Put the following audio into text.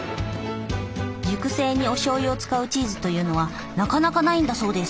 熟成におしょうゆを使うチーズというのはなかなかないんだそうです。